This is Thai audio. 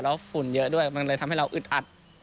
แล้วฝุ่นเยอะด้วยมันเลยทำให้เราอึดอัด